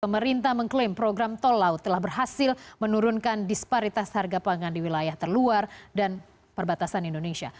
pemerintah mengklaim program tol laut telah berhasil menurunkan disparitas harga pangan di wilayah terluar dan perbatasan indonesia